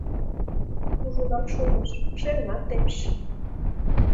— Кужунак шуйныш, шерымат темыш.